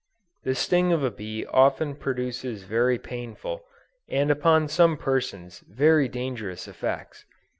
The sting of a bee often produces very painful, and upon some persons, very dangerous effects.